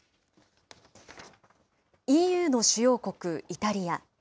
ＥＵの主要国イタリア。